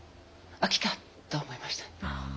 あっ来た！と思いました。